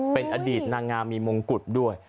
เป็นอดีตนางงามมีมงกุฎด้วย